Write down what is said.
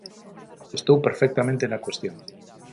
Estou perfectamente na cuestión.